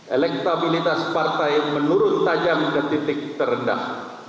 elektabilitas partai menurun tajam ke titik terendah